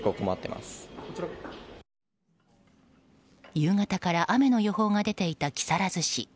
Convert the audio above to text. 夕方から雨の予報が出ていた木更津市。